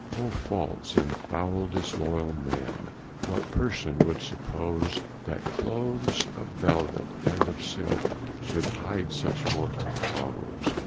O faulce, and foule disloyall men, What person would suppose That clothes of velvet and of silke Should hide such mortall foes?